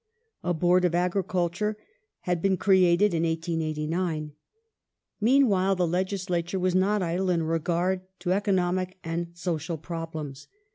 A Board of Agriculture had been created in 1889. Meanwhile, the Legislature was not idle in regard to economic and social problems.